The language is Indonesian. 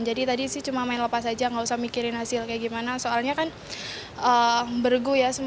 jadi tadi sih cuma main lepas aja gak usah mikirin hasil kayak gimana soalnya kan bergu ya